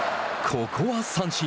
ここは三振。